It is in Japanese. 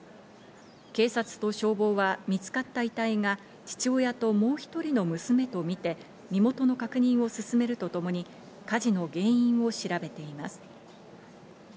警察と消防は見つかった遺体が父親ともう１人の娘とみて身元の確認を進めるとともに火事の原因を調べています。